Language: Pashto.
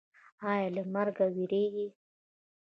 ایا له مرګ ویریږئ؟